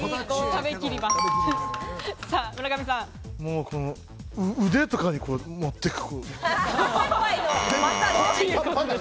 もうこの腕とかに持っていく。